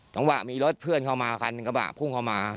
จังหวะมีรถเพื่อนเข้ามาคันกระบะพุ่งเข้ามา